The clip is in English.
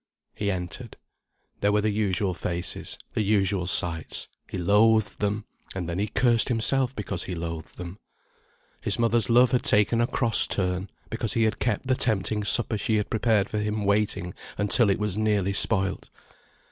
He entered. There were the usual faces, the usual sights. He loathed them, and then he cursed himself because he loathed them. His mother's love had taken a cross turn, because he had kept the tempting supper she had prepared for him waiting until it was nearly spoilt.